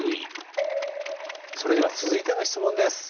それでは続いての質問です。